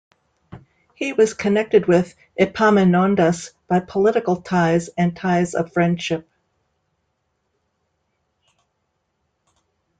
He was connected with Epaminondas by political ties and ties of friendship.